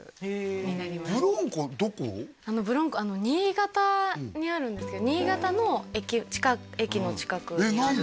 新潟にあるんですけど新潟の駅の近く何で？